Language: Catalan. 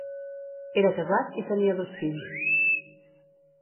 Era casat i tenia dos fills.